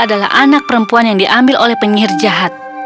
adalah anak perempuan yang diambil oleh penyihir jahat